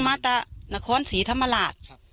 มาตานครสีธรรมลาศ